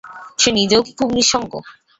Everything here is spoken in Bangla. সে নিজেও কি খুব নিঃসঙ্গ?